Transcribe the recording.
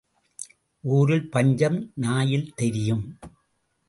ஊரில் பஞ்சம் நாயில் தெரியும்.